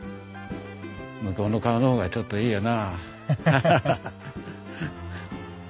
向こうの顔の方がちょっといいよなあ。